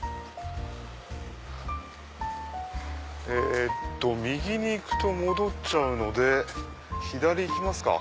えっと右に行くと戻っちゃうので左行きますか。